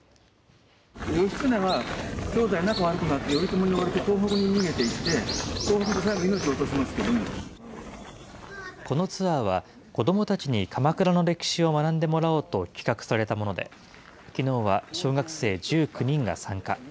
義経は兄弟仲悪くなって、東北に逃げて行って、東北で最後、このツアーは、子どもたちに鎌倉の歴史を学んでもらおうと企画されたもので、きのうは小学生１９人が参加。